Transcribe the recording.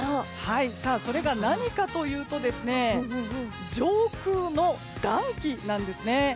それが何かというと上空の暖気なんですね。